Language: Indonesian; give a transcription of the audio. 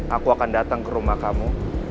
aku akan datang ke rumah kamu